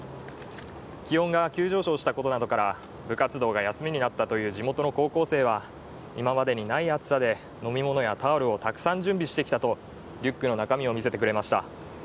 気温が急上昇したことなどから部活動が休みになったという地元の高校生は、今までにない暑さで飲み物やタオルをたくさん準備してきたとリュックの中身を見せてくれました。